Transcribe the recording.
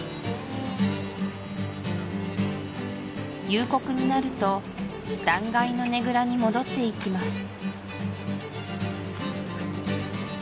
夕刻になると断崖のねぐらに戻っていきます